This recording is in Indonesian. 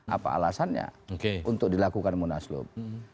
apa alasannya untuk dilakukan munaslub